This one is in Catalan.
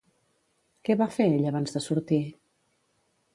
Què va fer ell abans de sortir?